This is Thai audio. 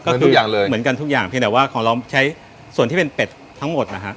ก็คือทุกอย่างเลยเหมือนกันทุกอย่างเพียงแต่ว่าของเราใช้ส่วนที่เป็นเป็ดทั้งหมดนะฮะ